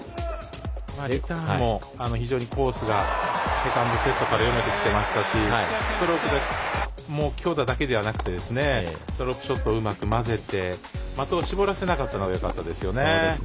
リターンも非常にコースがセカンドセットから読めていましたしストロークも強打だけではなくてドロップショットをうまく交ぜて的を絞らせなかったのがよかったですね。